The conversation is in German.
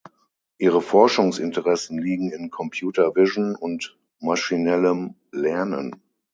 Ihre Forschungsinteressen liegen in Computer Vision und maschinellem Lernen.